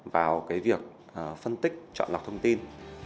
vào việc phân tích chọn lọc thông tin